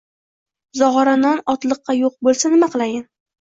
Zog‘ora non otliqqa yo‘q bo‘lsa, nima qilayin?